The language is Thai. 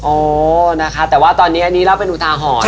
โอ้นะคะแต่ว่าตอนนี้นี้เราเป็นอุทาหอด